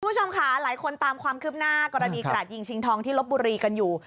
คุณผู้ชมค่ะหลายคนตามความคืบหน้ากรณีกระดยิงชิงทองที่ลบบุรีกันอยู่